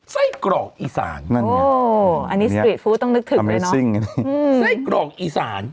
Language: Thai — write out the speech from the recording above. ไส้กรอกอีสานอันนี้ต้องนึกถึงเลยเนอะอืมไส้กรอกอีสาน